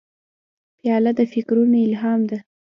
پیاله د فکرونو الهام ده.